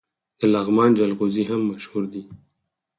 د لغمان جلغوزي هم مشهور دي.